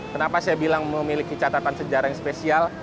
kenapa saya bilang memiliki catatan sejarah yang spesial